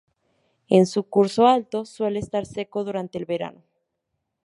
En su curso alto, suele estar seco durante el verano.